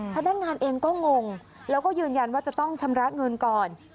พนักงานเองก็งงแล้วก็ยืนยันว่าจะต้องชำระเงินก่อน